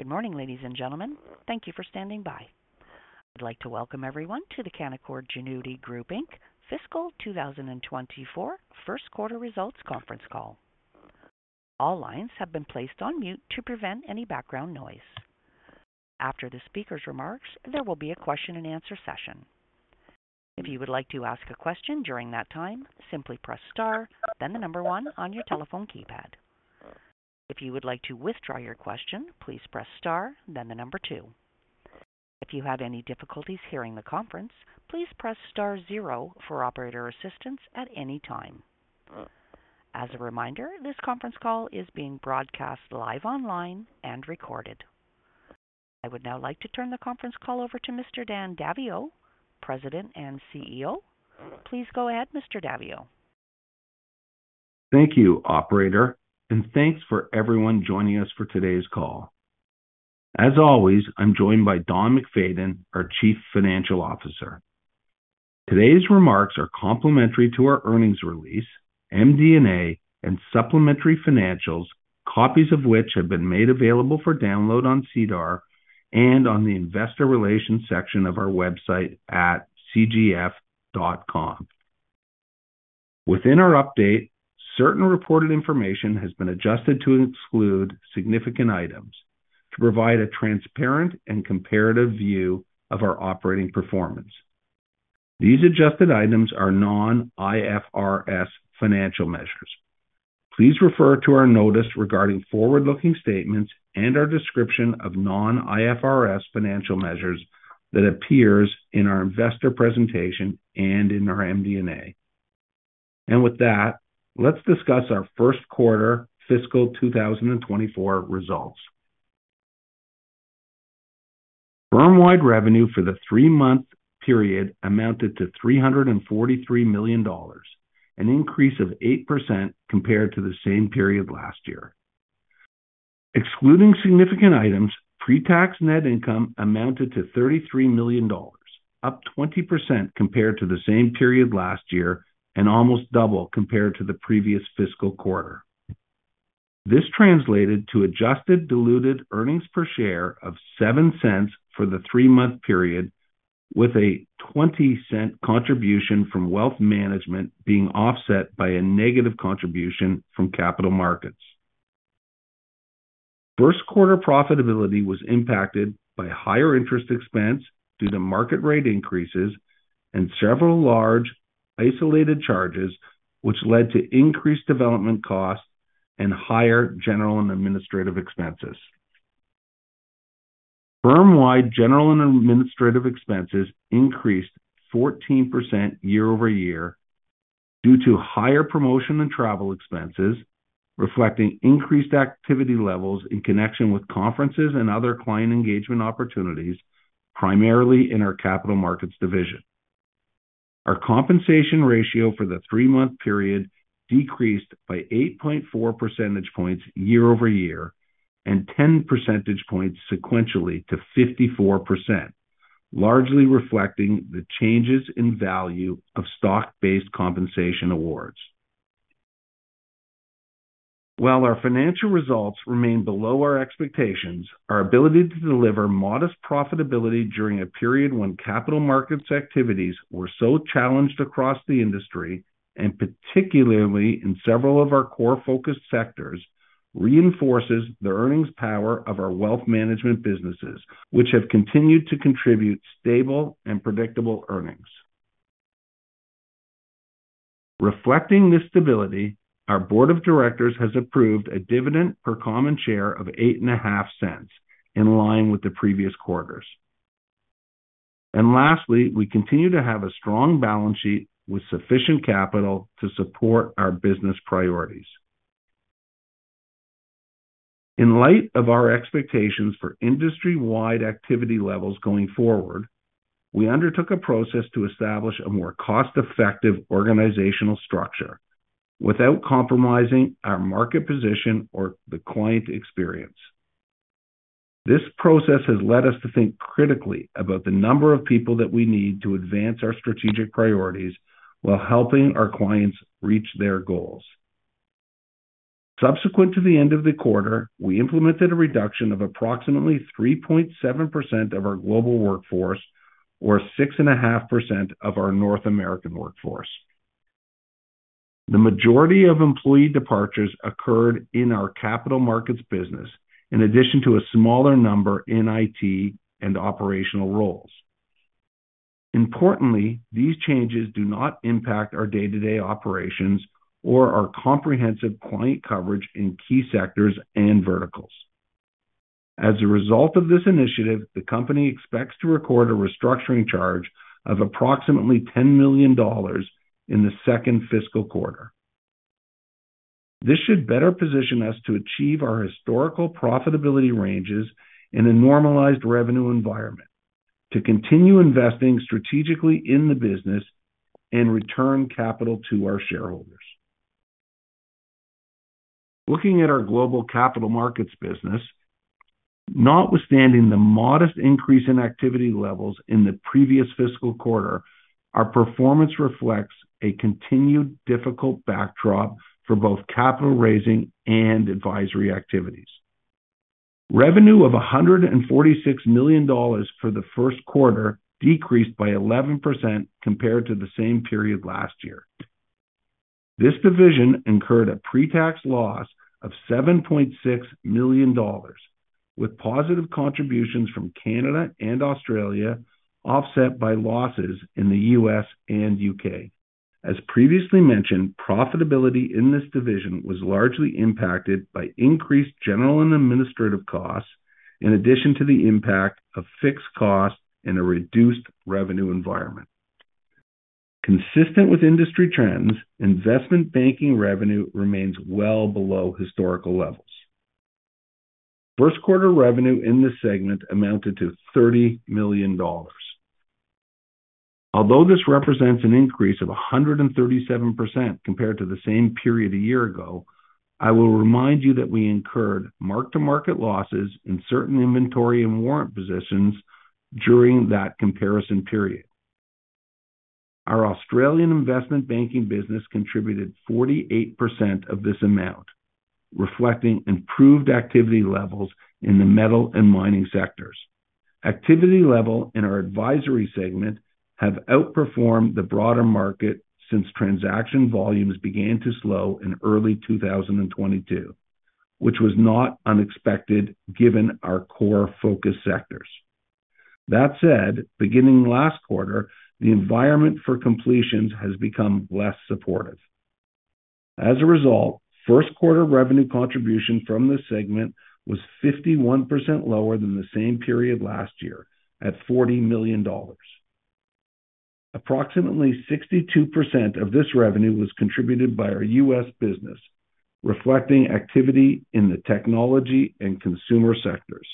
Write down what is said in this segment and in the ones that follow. Good morning, ladies and gentlemen. Thank you for standing by. I'd like to welcome everyone to the Canaccord Genuity Group Inc. Fiscal 2024 first quarter results conference call. All lines have been placed on mute to prevent any background noise. After the speaker's remarks, there will be a question and answer session. If you would like to ask a question during that time, simply press star, then one on your telephone keypad. If you would like to withdraw your question, please press star, then two. If you have any difficulties hearing the conference, please press star zero for operator assistance at any time. As a reminder, this conference call is being broadcast live online and recorded. I would now like to turn the conference call over to Mr. Dan Daviau, President and CEO. Please go ahead, Mr. Daviau. Thank you, operator, thanks for everyone joining us for today's call. As always, I'm joined by Don MacFayden, our Chief Financial Officer. Today's remarks are complementary to our earnings release, MD&A, and supplementary financials, copies of which have been made available for download on SEDAR and on the investor relations section of our website at cgf.com. Within our update, certain reported information has been adjusted to exclude significant items to provide a transparent and comparative view of our operating performance. These adjusted items are non-IFRS financial measures. Please refer to our notice regarding forward-looking statements and our description of non-IFRS financial measures that appears in our investor presentation and in our MD&A. With that, let's discuss our first quarter fiscal 2024 results. Firm-wide revenue for the three-month period amounted to $343 million, an increase of 8% compared to the same period last year. Excluding significant items, pre-tax net income amounted to $33 million, up 20% compared to the same period last year, and almost double compared to the previous fiscal quarter. This translated to adjusted diluted earnings per share of $0.07 for the three-month period, with a $0.20 contribution from wealth management being offset by a negative contribution from capital markets. First quarter profitability was impacted by higher interest expense due to market rate increases and several large isolated charges, which led to increased development costs and higher general and administrative expenses. Firm-wide general and administrative expenses increased 14% year-over-year due to higher promotion and travel expenses, reflecting increased activity levels in connection with conferences and other client engagement opportunities, primarily in our capital markets division. Our compensation ratio for the 3-month period decreased by 8.4 percentage points year-over-year and 10 percentage points sequentially to 54%, largely reflecting the changes in value of stock-based compensation awards. While our financial results remain below our expectations, our ability to deliver modest profitability during a period when capital markets activities were so challenged across the industry, and particularly in several of our core focused sectors, reinforces the earnings power of our wealth management businesses, which have continued to contribute stable and predictable earnings. Reflecting this stability, our board of directors has approved a dividend per common share of 0.085, in line with the previous quarters. Lastly, we continue to have a strong balance sheet with sufficient capital to support our business priorities. In light of our expectations for industry-wide activity levels going forward, we undertook a process to establish a more cost-effective organizational structure without compromising our market position or the client experience. This process has led us to think critically about the number of people that we need to advance our strategic priorities while helping our clients reach their goals. Subsequent to the end of the quarter, we implemented a reduction of approximately 3.7% of our global workforce, or 6.5% of our North American workforce. The majority of employee departures occurred in our capital markets business, in addition to a smaller number in IT and operational roles. Importantly, these changes do not impact our day-to-day operations or our comprehensive client coverage in key sectors and verticals. As a result of this initiative, the company expects to record a restructuring charge of approximately $10 million in the second fiscal quarter. This should better position us to achieve our historical profitability ranges in a normalized revenue environment, to continue investing strategically in the business and return capital to our shareholders. Looking at our global capital markets business, notwithstanding the modest increase in activity levels in the previous fiscal quarter. Our performance reflects a continued difficult backdrop for both capital raising and advisory activities. Revenue of $146 million for the first quarter decreased by 11% compared to the same period last year. This division incurred a pre-tax loss of 7.6 million dollars, with positive contributions from Canada and Australia, offset by losses in the U.S. and U.K. As previously mentioned, profitability in this division was largely impacted by increased general and administrative costs, in addition to the impact of fixed costs in a reduced revenue environment. Consistent with industry trends, investment banking revenue remains well below historical levels. First quarter revenue in this segment amounted to 30 million dollars. Although this represents an increase of 137% compared to the same period a year ago, I will remind you that we incurred mark-to-market losses in certain inventory and warrant positions during that comparison period. Our Australian investment banking business contributed 48% of this amount, reflecting improved activity levels in the metal and mining sectors. Activity level in our advisory segment have outperformed the broader market since transaction volumes began to slow in early 2022, which was not unexpected, given our core focus sectors. That said, beginning last quarter, the environment for completions has become less supportive. As a result, first quarter revenue contribution from this segment was 51% lower than the same period last year, at $40 million. Approximately 62% of this revenue was contributed by our U.S. business, reflecting activity in the technology and consumer sectors.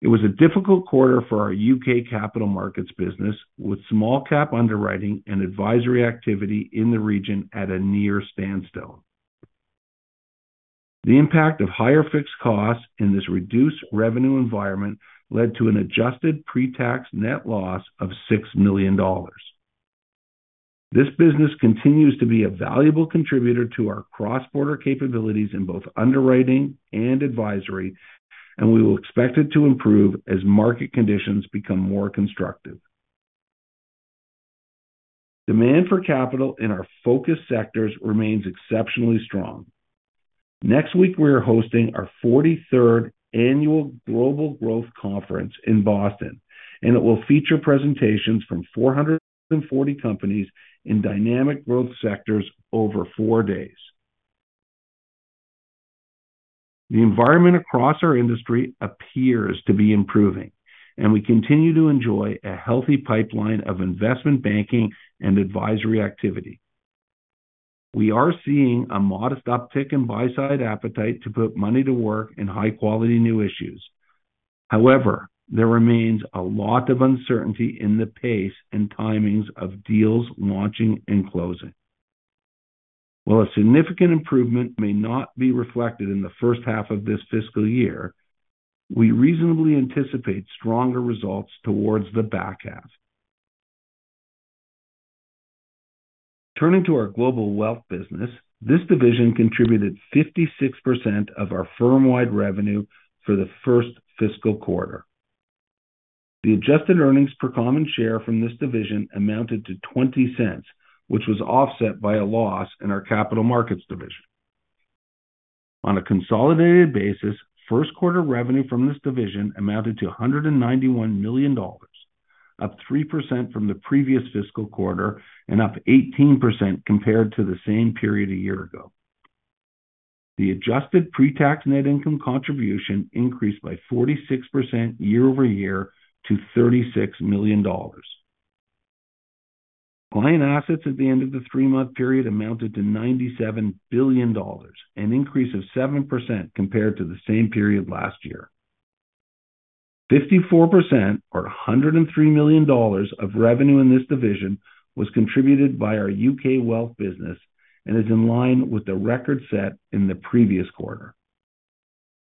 It was a difficult quarter for our U.K. capital markets business, with small cap underwriting and advisory activity in the region at a near standstill. The impact of higher fixed costs in this reduced revenue environment led to an adjusted pre-tax net loss of $6 million. This business continues to be a valuable contributor to our cross-border capabilities in both underwriting and advisory, and we will expect it to improve as market conditions become more constructive. Demand for capital in our focus sectors remains exceptionally strong. Next week, we are hosting our 43rd annual Global Growth Conference in Boston, and it will feature presentations from 440 companies in dynamic growth sectors over four days. The environment across our industry appears to be improving, and we continue to enjoy a healthy pipeline of investment banking and advisory activity. We are seeing a modest uptick in buy-side appetite to put money to work in high-quality new issues. However, there remains a lot of uncertainty in the pace and timings of deals launching and closing. While a significant improvement may not be reflected in the first half of this fiscal year, we reasonably anticipate stronger results towards the back half. Turning to our global wealth business, this division contributed 56% of our firm-wide revenue for the first fiscal quarter. The adjusted earnings per common share from this division amounted to $0.20, which was offset by a loss in our capital markets division. On a consolidated basis, first quarter revenue from this division amounted to $191 million, up 3% from the previous fiscal quarter and up 18% compared to the same period a year ago. The adjusted pre-tax net income contribution increased by 46% year-over-year to $36 million. Client assets at the end of the three-month period amounted to $97 billion, an increase of 7% compared to the same period last year. 54% or $103 million of revenue in this division was contributed by our UK wealth business and is in line with the record set in the previous quarter.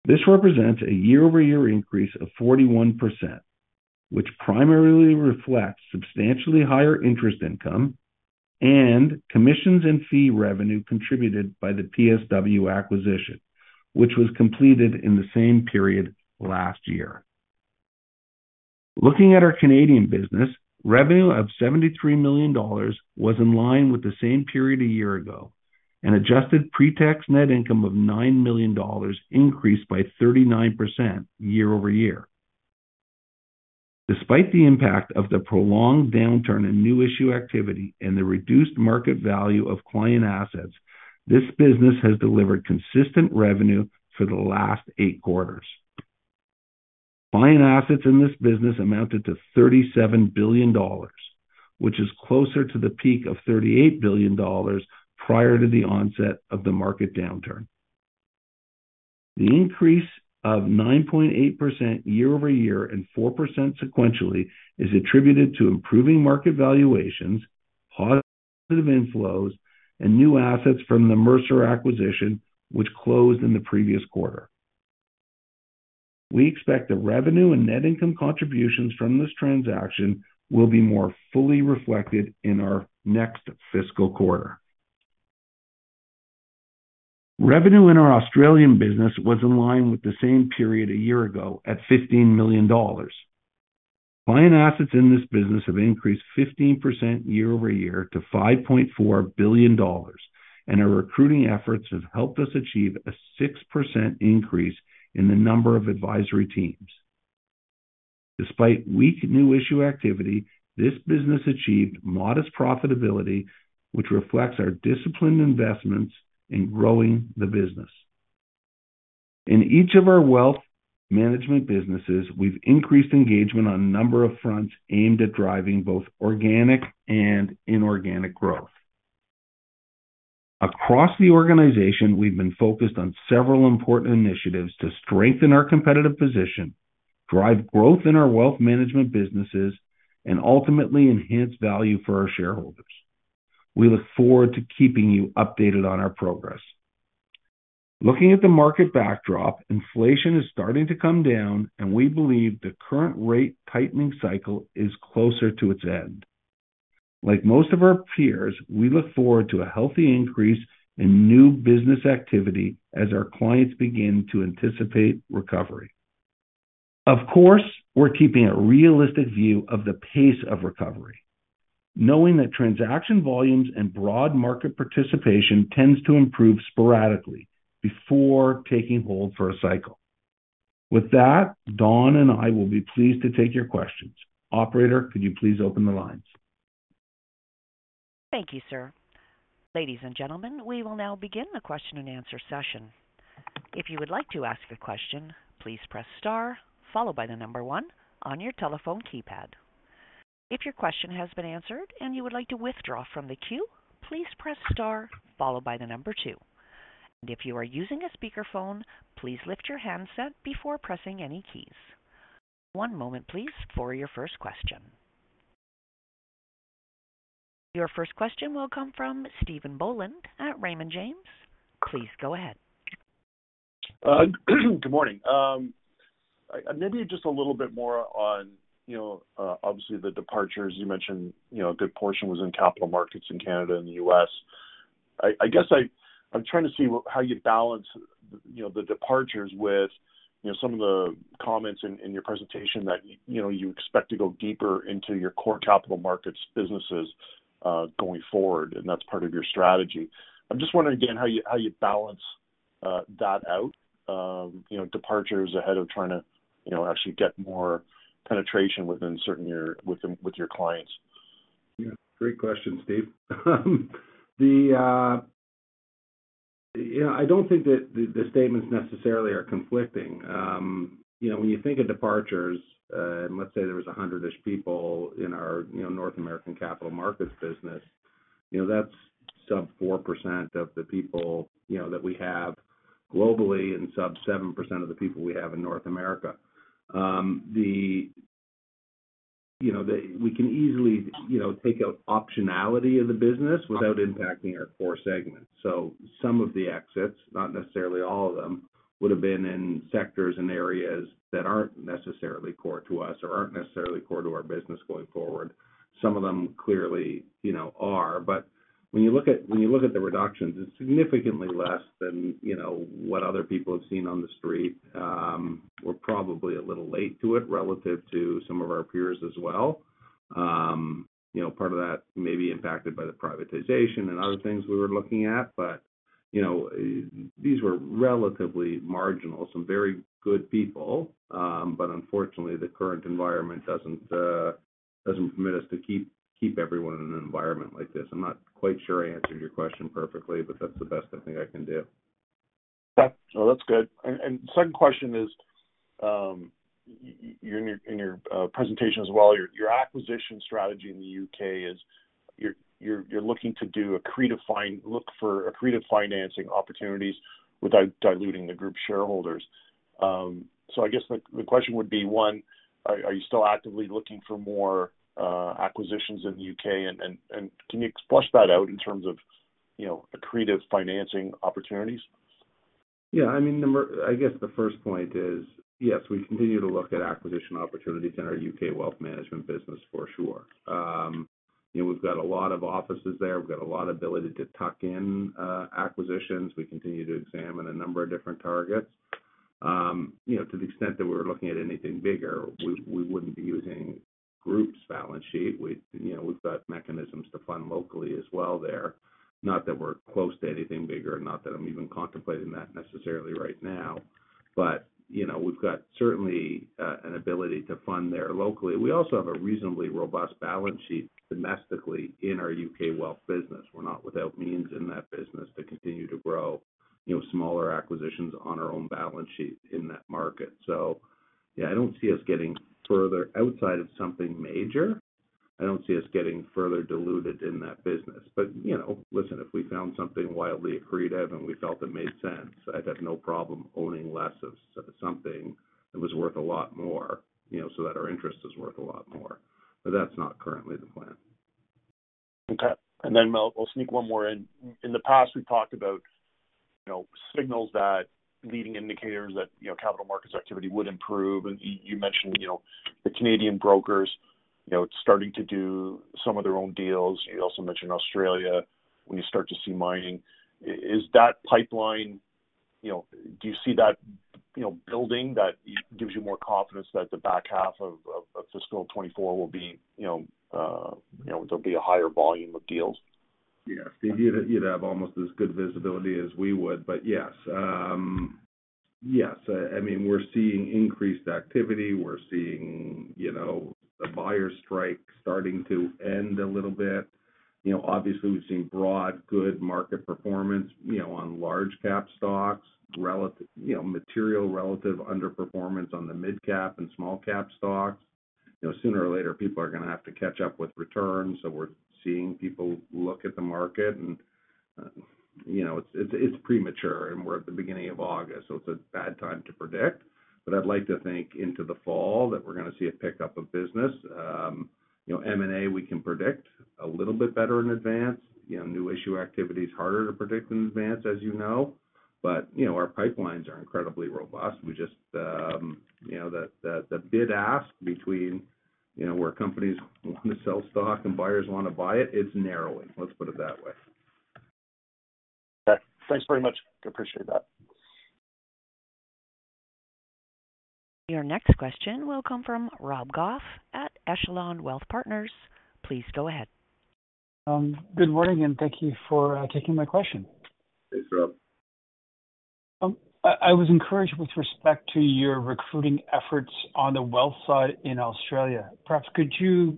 This represents a year-over-year increase of 41%, which primarily reflects substantially higher interest income and commissions and fee revenue contributed by the PSW acquisition, which was completed in the same period last year. Looking at our Canadian business, revenue of $73 million was in line with the same period a year ago, and adjusted pre-tax net income of $9 million increased by 39% year-over-year. Despite the impact of the prolonged downturn in new issue activity and the reduced market value of client assets, this business has delivered consistent revenue for the last eight quarters. Client assets in this business amounted to $37 billion, which is closer to the peak of $38 billion prior to the onset of the market downturn. The increase of 9.8% year-over-year and 4% sequentially is attributed to improving market valuations, positive inflows, and new assets from the Mercer acquisition, which closed in the previous quarter. We expect the revenue and net income contributions from this transaction will be more fully reflected in our next fiscal quarter. Revenue in our Australian business was in line with the same period a year ago at 15 million dollars. Client assets in this business have increased 15% year-over-year to 5.4 billion dollars, and our recruiting efforts have helped us achieve a 6% increase in the number of advisory teams. Despite weak new issue activity, this business achieved modest profitability, which reflects our disciplined investments in growing the business. In each of our wealth management businesses, we've increased engagement on a number of fronts aimed at driving both organic and inorganic growth. Across the organization, we've been focused on several important initiatives to strengthen our competitive position, drive growth in our wealth management businesses, and ultimately enhance value for our shareholders. We look forward to keeping you updated on our progress. Looking at the market backdrop, inflation is starting to come down, and we believe the current rate tightening cycle is closer to its end. Like most of our peers, we look forward to a healthy increase in new business activity as our clients begin to anticipate recovery. Of course, we're keeping a realistic view of the pace of recovery, knowing that transaction volumes and broad market participation tends to improve sporadically before taking hold for a cycle. With that, Don and I will be pleased to take your questions. Operator, could you please open the lines? Thank you, sir. Ladies and gentlemen, we will now begin the question-and-answer session. If you would like to ask a question, please press star followed by the number one on your telephone keypad. If your question has been answered and you would like to withdraw from the queue, please press star followed by the number two. If you are using a speakerphone, please lift your handset before pressing any keys. One moment, please, for your first question. Your first question will come from Stephen Boland at Raymond James. Please go ahead. Good morning. Maybe just a little bit more on, you know, obviously the departures. You mentioned, you know, a good portion was in capital markets in Canada and the U.S. I, I guess I'm trying to see how you balance, you know, the departures with, you know, some of the comments in, in your presentation that, you know, you expect to go deeper into your core capital markets businesses going forward, and that's part of your strategy. I'm just wondering again, how you, how you balance that out, you know, departures ahead of trying to, you know, actually get more penetration within certain your, with your, with your clients. Yeah. Great question, Steve. The, you know, I don't think that the, the statements necessarily are conflicting. You know, when you think of departures, and let's say there was a 100-ish people in our, you know, North American capital markets business, you know, that's sub 4% of the people, you know, that we have globally and sub 7% of the people we have in North America. We can easily, you know, take out optionality of the business without impacting our core segments. Some of the exits, not necessarily all of them, would have been in sectors and areas that aren't necessarily core to us or aren't necessarily core to our business going forward. Some of them, clearly, you know, are, but when you look at, when you look at the reductions, it's significantly less than, you know, what other people have seen on the street. We're probably a little late to it relative to some of our peers as well. You know, part of that may be impacted by the privatization and other things we were looking at, but, you know, these were relatively marginal, some very good people. Unfortunately, the current environment doesn't doesn't permit us to keep, keep everyone in an environment like this. I'm not quite sure I answered your question perfectly, but that's the best I think I can do. Yeah. No, that's good. Second question is, in your, in your, presentation as well, your, your acquisition strategy in the UK is you're, you're, you're looking to do accretive find, look for accretive financing opportunities without diluting the group shareholders. I guess the, the question would be, one, are, are you still actively looking for more acquisitions in the U.K.? you flush that out in terms of, you know, accretive financing opportunities? Yeah, I mean, I guess the first point is, yes, we continue to look at acquisition opportunities in our UK wealth management business for sure. You know, we've got a lot of offices there. We've got a lot of ability to tuck in acquisitions. We continue to examine a number of different targets. You know, to the extent that we were looking at anything bigger, we, we wouldn't be using Group's balance sheet. We, you know, we've got mechanisms to fund locally as well there. Not that we're close to anything bigger, not that I'm even contemplating that necessarily right now, but, you know, we've got certainly an ability to fund there locally. We also have a reasonably robust balance sheet domestically in our UK wealth business. We're not without means in that business to continue to grow, you know, smaller acquisitions on our own balance sheet in that market. Yeah, I don't see us getting further outside of something major. I don't see us getting further diluted in that business. You know, listen, if we found something wildly accretive and we felt it made sense, I'd have no problem owning less of something that was worth a lot more, you know, so that our interest is worth a lot more. That's not currently the plan. Okay. Then Mel, I'll sneak one more in. In the past, we've talked about, you know, signals that leading indicators that, you know, capital markets activity would improve. You mentioned, you know, the Canadian brokers, you know, starting to do some of their own deals. You also mentioned Australia, when you start to see mining. Is that pipeline, you know, do you see that, you know, building, that gives you more confidence that the back half of fiscal 2024 will be, you know, there'll be a higher volume of deals? Yeah. You'd, you'd have almost as good visibility as we would. Yes, yes, I, I mean, we're seeing increased activity. We're seeing, you know, the buyer strike starting to end a little bit. You know, obviously, we've seen broad, good market performance, you know, on large cap stocks, relative-- you know, material relative underperformance on the mid cap and small cap stocks. You know, sooner or later, people are going to have to catch up with returns. We're seeing people look at the market and, you know, it's, it's premature, and we're at the beginning of August, so it's a bad time to predict. I'd like to think into the fall that we're going to see a pickup of business. You know, M&A, we can predict a little bit better in advance. You know, new issue activity is harder to predict in advance, as you know. You know, our pipelines are incredibly robust. We just, you know, the, the, the bid-ask between, you know, where companies want to sell stock and buyers want to buy it, it's narrowing. Let's put it that way. Okay. Thanks very much. I appreciate that. Your next question will come from Rob Goff at Echelon Wealth Partners. Please go ahead. Good morning, and thank you for taking my question. Thanks, Rob. I, I was encouraged with respect to your recruiting efforts on the wealth side in Australia. Perhaps could you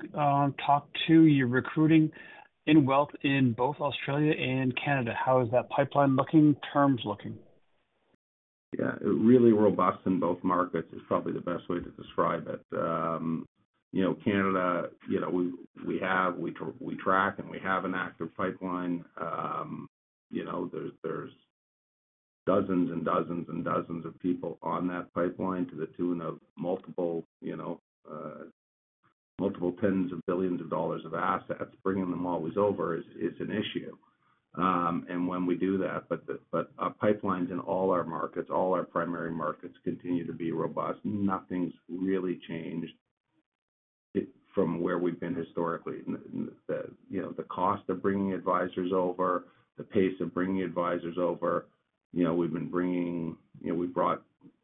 talk to your recruiting in wealth in both Australia and Canada? How is that pipeline looking, terms looking? Yeah, really robust in both markets is probably the best way to describe it. You know, Canada, you know, we, we have, we track, and we have an active pipeline. You know, there's, there's dozens and dozens and dozens of people on that pipeline to the tune of multiple, you know, multiple tens of billions of dollars of assets. Bringing them always over is, is an issue. When we do that, but our pipelines in all our markets, all our primary markets, continue to be robust. Nothing's really changed from where we've been historically. The, you know, the cost of bringing advisors over, the pace of bringing advisors over, you know, we've been bringing... You know, we brought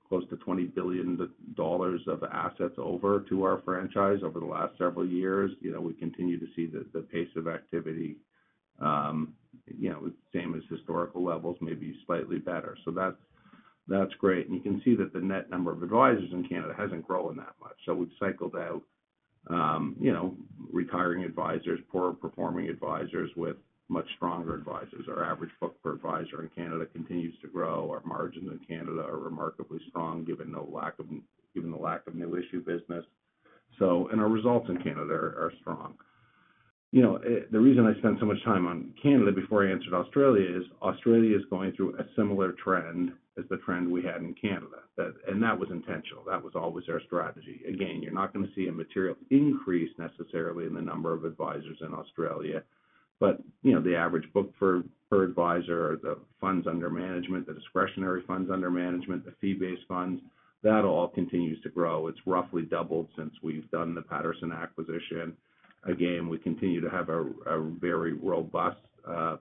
close to 20 billion dollars of assets over to our franchise over the last several years. You know, we continue to see the, the pace of activity, you know, same as historical levels, maybe slightly better. That's, that's great. You can see that the net number of advisors in Canada hasn't grown that much. We've cycled out, you know, retiring advisors, poor-performing advisors with much stronger advisors. Our average book per advisor in Canada continues to grow. Our margins in Canada are remarkably strong, given no lack of, given the lack of new issue business. Our results in Canada are, are strong. You know, the reason I spent so much time on Canada before I answered Australia is, Australia is going through a similar trend as the trend we had in Canada. That was intentional. That was always our strategy. Again, you're not going to see a material increase necessarily in the number of advisors in Australia. You know, the average book for, per advisor or the funds under management, the discretionary funds under management, the fee-based funds, that all continues to grow. It's roughly doubled since we've done the Patersons acquisition. Again, we continue to have a, a very robust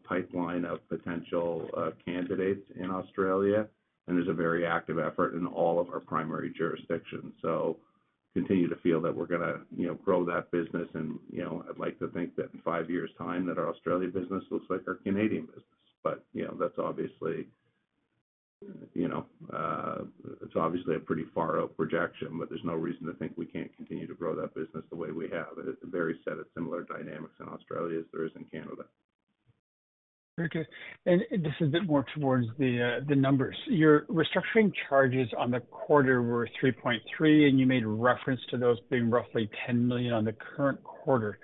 pipeline of potential candidates in Australia, and there's a very active effort in all of our primary jurisdictions. Continue to feel that we're going to, you know, grow that business. You know, I'd like to think that in five years' time, that our Australia business looks like our Canadian business. You know, that's obviously, you know, it's obviously a pretty far out projection, but there's no reason to think we can't continue to grow that business the way we have. It's a very set of similar dynamics in Australia as there is in Canada. Very good. This is a bit more towards the numbers. Your restructuring charges on the quarter were 3.3 million, and you made reference to those being roughly 10 million on the current quarter.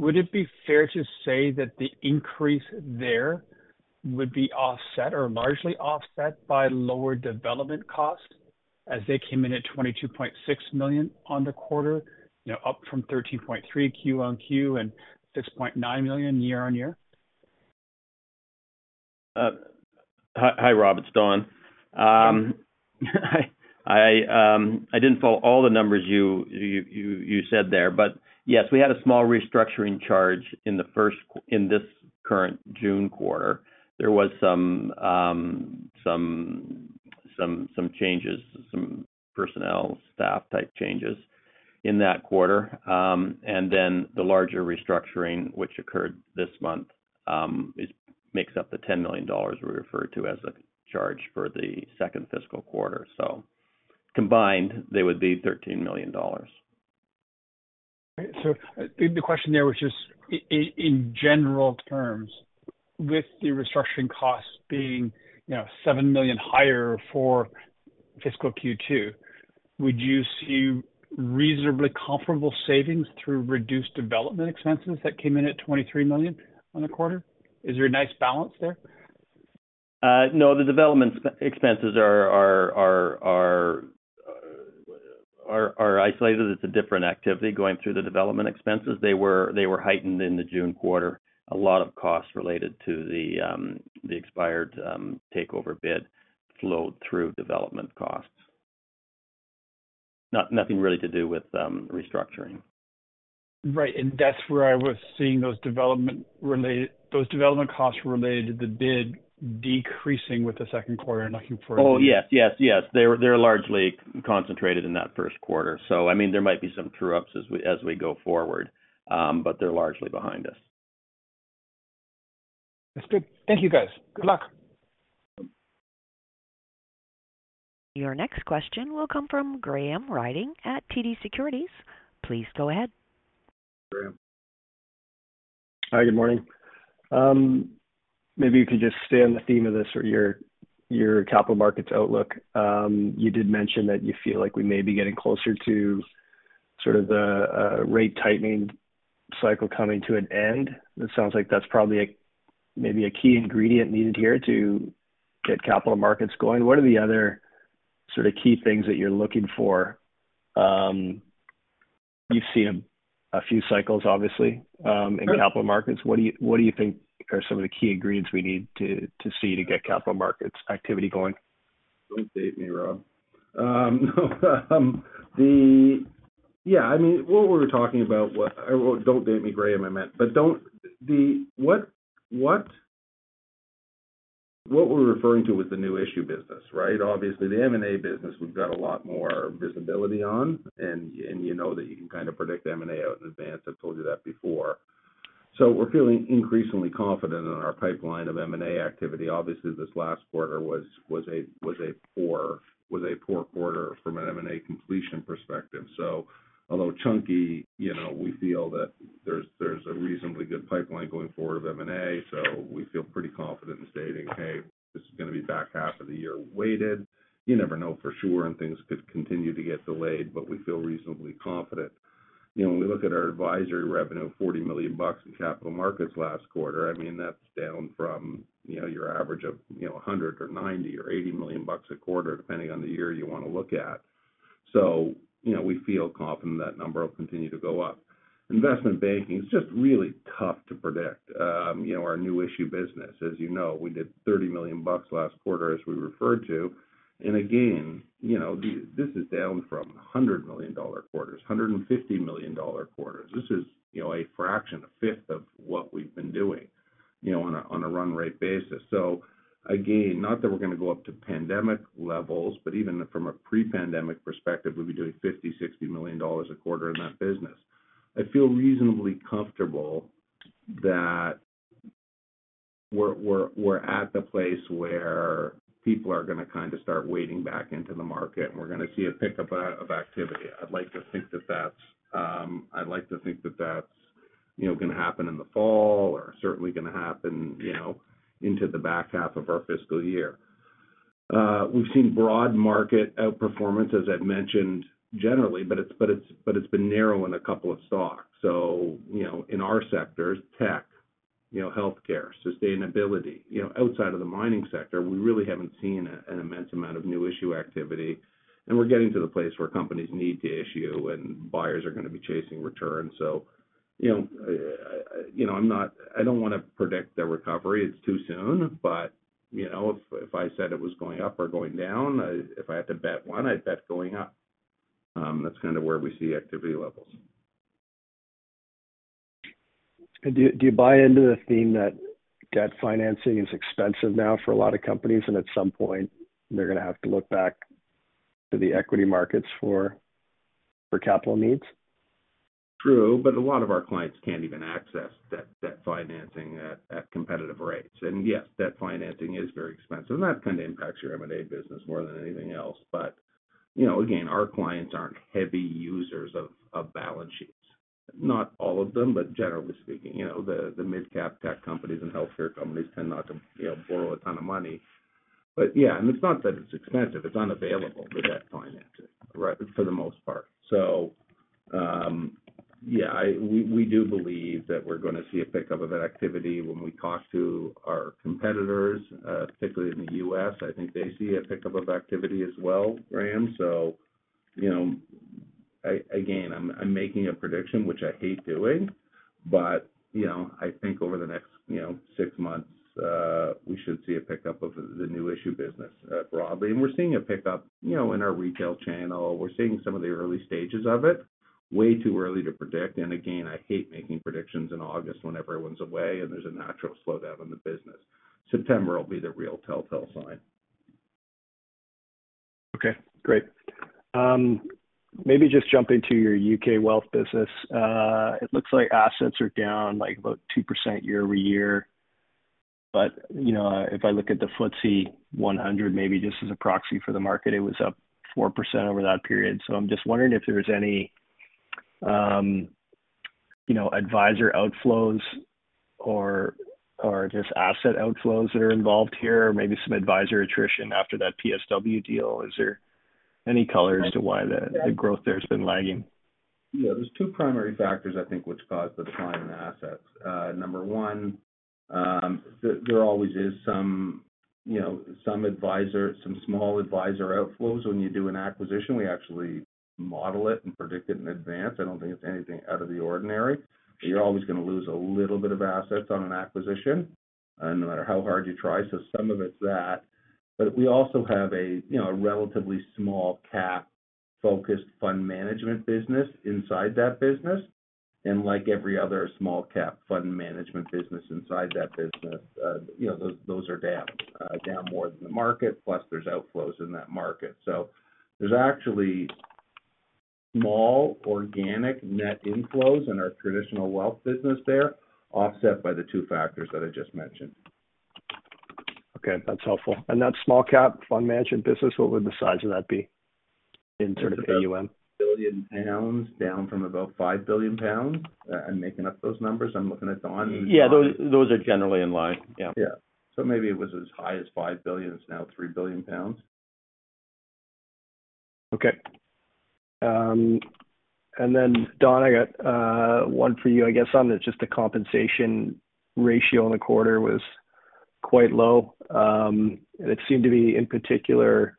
Would it be fair to say that the increase there would be offset or largely offset by lower development costs, as they came in at 22.6 million on the quarter, you know, up from 13.3 million Q-on-Q and CAD 6.9 million year-on-year? Hi, hi, Rob, it's Don. I, I didn't follow all the numbers you, you, you, you said there, but yes, we had a small restructuring charge in the first in this current June quarter. There was some changes, some personnel, staff type changes in that quarter. The larger restructuring, which occurred this month, is makes up the $10 million we referred to as a charge for the second fiscal quarter. Combined, they would be $13 million. The question there was just, in general terms, with the restructuring costs being, you know, 7 million higher for fiscal Q2, would you see reasonably comparable savings through reduced development expenses that came in at 23 million on the quarter? Is there a nice balance there? no. The development expenses are, are, are, are.... are, are isolated, it's a different activity going through the development expenses. They were, they were heightened in the June quarter. A lot of costs related to the, the expired, takeover bid flowed through development costs. Nothing really to do with, restructuring. Right, that's where I was seeing those development costs related to the bid decreasing with the second quarter and looking forward. Oh, yes, yes, yes. They're, they're largely concentrated in that first quarter. I mean, there might be some true ups as we, as we go forward, but they're largely behind us. That's good. Thank you, guys. Good luck! Your next question will come from Graham Ryding at TD Securities. Please go ahead. Graham. Hi, good morning. Maybe you could just stay on the theme of this or your, your capital markets outlook. You did mention that you feel like we may be getting closer to sort of the rate tightening cycle coming to an end. That sounds like that's probably a, maybe a key ingredient needed here to get capital markets going. What are the other sort of key things that you're looking for? You've seen a few cycles, obviously, in capital markets. What do you, what do you think are some of the key ingredients we need to, to see to get capital markets activity going? Don't date me, Rob. Yeah, I mean, what we were talking about was. Don't date me, Graham, I meant. What we're referring to is the new issue business, right? Obviously, the M&A business, we've got a lot more visibility on, and you know that you can kind of predict M&A out in advance. I've told you that before. We're feeling increasingly confident in our pipeline of M&A activity. Obviously, this last quarter was a poor quarter from an M&A completion perspective. Although chunky, you know, we feel that there's, there's a reasonably good pipeline going forward of M&A, so we feel pretty confident in stating, "Hey, this is going to be back half of the year weighted." You never know for sure, and things could continue to get delayed, but we feel reasonably confident. You know, when we look at our advisory revenue, 40 million bucks in capital markets last quarter, I mean, that's down from, you know, your average of, you know, 100 million or 90 million or 80 million bucks a quarter, depending on the year you want to look at. You know, we feel confident that number will continue to go up. Investment banking, it's just really tough to predict. You know, our new issue business, as you know, we did 30 million bucks last quarter, as we referred to. Again, you know, the, this is down from 100 million dollar quarters, 150 million dollar quarters. This is, you know, a fraction, a fifth of what we've been doing, you know, on a, on a run rate basis. Again, not that we're going to go up to pandemic levels, but even from a pre-pandemic perspective, we'd be doing $50 million-$60 million a quarter in that business. I feel reasonably comfortable that we're, we're, we're at the place where people are going to kind of start wading back into the market, and we're going to see a pickup of, of activity. I'd like to think that that's, I'd like to think that that's, you know, going to happen in the fall or certainly going to happen, you know, into the back half of our fiscal year. We've seen broad market outperformance, as I'd mentioned, generally, but it's, but it's, but it's been narrow in a couple of stocks. you know, in our sectors, tech, you know, healthcare, sustainability, you know, outside of the mining sector, we really haven't seen an immense amount of new issue activity, and we're getting to the place where companies need to issue and buyers are going to be chasing returns. you know, you know, I'm not, I don't want to predict the recovery. It's too soon, but, you know, if, if I said it was going up or going down, I, if I had to bet one, I'd bet going up. That's kind of where we see activity levels. Do you buy into the theme that debt financing is expensive now for a lot of companies, and at some point they're going to have to look back to the equity markets for capital needs? True, a lot of our clients can't even access debt, debt financing at, at competitive rates. Yes, debt financing is very expensive, and that kind of impacts your M&A business more than anything else. You know, again, our clients aren't heavy users of, of balance sheets. Not all of them, but generally speaking, you know, the, the midcap tech companies and healthcare companies tend not to, you know, borrow a ton of money. Yeah, and it's not that it's expensive, it's unavailable, the debt financing, right? For the most part. Yeah, we do believe that we're going to see a pickup of that activity. When we talk to our competitors, particularly in the US, I think they see a pickup of activity as well, Graham. you know, again, I'm, I'm making a prediction, which I hate doing, but, you know, I think over the next, you know, 6 months, we should see a pickup of the new issue business, broadly. We're seeing a pickup, you know, in our retail channel. We're seeing some of the early stages of it. Way too early to predict. Again, I hate making predictions in August when everyone's away and there's a natural slowdown in the business. September will be the real telltale sign. Okay, great. Maybe just jumping to your UK wealth business. It looks like assets are down, like, about 2% year-over-year. You know, if I look at the FTSE 100, maybe just as a proxy for the market, it was up 4% over that period. I'm just wondering if there's any, you know, advisor outflows or, or just asset outflows that are involved here, or maybe some advisor attrition after that PSW deal. Is there any color as to why the, the growth there has been lagging?... Yeah, there's two primary factors, I think, which caused the decline in assets. Number one, there, there always is some, you know, some advisor, some small advisor outflows when you do an acquisition. We actually model it and predict it in advance. I don't think it's anything out of the ordinary, but you're always going to lose a little bit of assets on an acquisition, no matter how hard you try. Some of it's that, but we also have a, you know, a relatively small cap-focused fund management business inside that business. Like every other small cap fund management business inside that business, you know, those, those are down, down more than the market, plus there's outflows in that market. There's actually small organic net inflows in our traditional wealth business there, offset by the two factors that I just mentioned. Okay, that's helpful. That small cap fund management business, what would the size of that be in terms of AUM? 1 billion pounds, down from about 5 billion pounds. I'm making up those numbers. I'm looking at Don. Yeah, those, those are generally in line. Yeah. Yeah. Maybe it was as high as 5 billion, it's now 3 billion pounds. Okay. Then Don MacFayden, I got one for you, I guess, on the just the compensation ratio in the quarter was quite low. It seemed to be, in particular,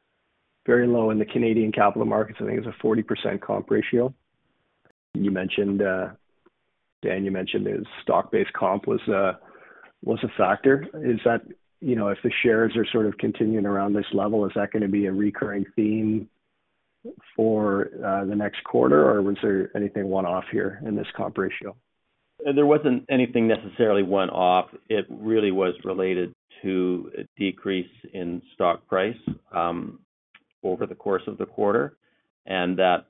very low in the Canadian capital markets. I think it was a 40% comp ratio. You mentioned, Dan, you mentioned the stock-based comp was a, was a factor. Is that, you know, if the shares are sort of continuing around this level, is that going to be a recurring theme for the next quarter, or was there anything one-off here in this comp ratio? There wasn't anything necessarily one-off. It really was related to a decrease in stock price over the course of the quarter, and that,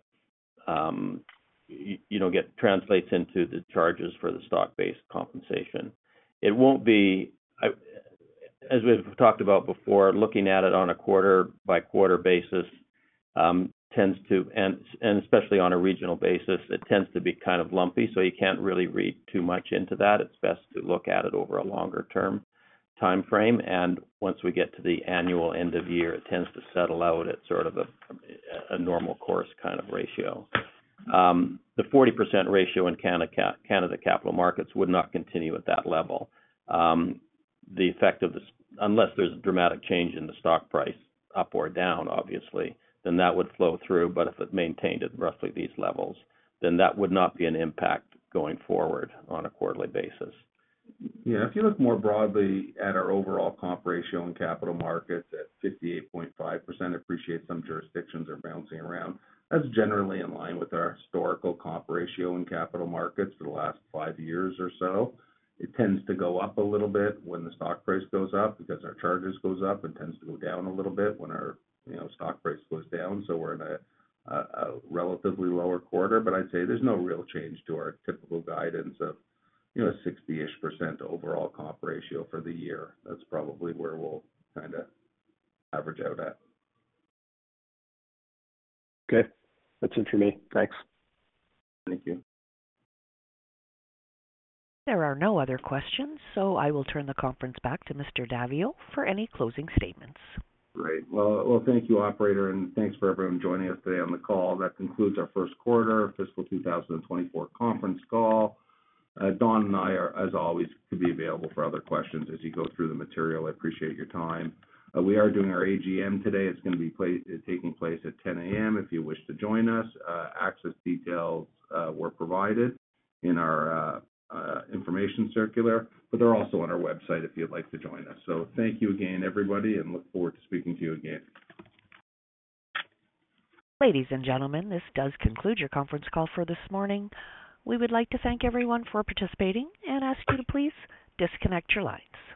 you know, get translates into the charges for the stock-based compensation. It won't be. As we've talked about before, looking at it on a quarter-by-quarter basis, tends to, and, and especially on a regional basis, it tends to be kind of lumpy, so you can't really read too much into that. It's best to look at it over a longer-term time frame, and once we get to the annual end of year, it tends to settle out at sort of a, a normal course kind of ratio. The 40% ratio in Canada capital markets would not continue at that level. The effect of this, unless there's a dramatic change in the stock price, up or down, obviously, then that would flow through. If it maintained at roughly these levels, then that would not be an impact going forward on a quarterly basis. Yeah. If you look more broadly at our overall comp ratio in capital markets at 58.5%, appreciate some jurisdictions are bouncing around, that's generally in line with our historical comp ratio in capital markets for the last five years or so. It tends to go up a little bit when the stock price goes up, because our charges goes up and tends to go down a little bit when our, you know, stock price goes down, so we're in a, a, a relatively lower quarter. I'd say there's no real change to our typical guidance of, you know, a 60-ish% overall comp ratio for the year. That's probably where we'll kind of average out at. Okay. That's it for me. Thanks. Thank you. There are no other questions, so I will turn the conference back to Mr. Daviau for any closing statements. Great. Well, well, thank you, operator, and thanks for everyone joining us today on the call. That concludes our first quarter fiscal 2024 conference call. Don MacFayden and I are, as always, to be available for other questions as you go through the material. I appreciate your time. We are doing our AGM today. It's going to be taking place at 10:00 A.M. If you wish to join us, access details were provided in our information circular, but they're also on our website if you'd like to join us. Thank you again, everybody, and look forward to speaking to you again. Ladies and gentlemen, this does conclude your conference call for this morning. We would like to thank everyone for participating and ask you to please disconnect your lines.